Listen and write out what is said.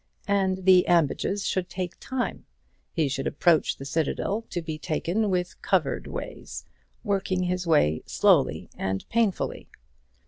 And the ambages should take time. He should approach the citadel to be taken with covered ways, working his way slowly and painfully.